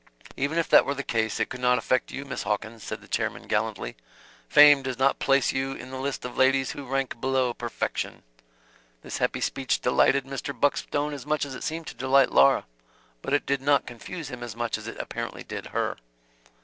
"Even if that were the case it could not affect you, Miss Hawkins," said the chairman gallantly. "Fame does not place you in the list of ladies who rank below perfection." This happy speech delighted Mr. Buckstone as much as it seemed to delight Laura. But it did not confuse him as much as it apparently did her.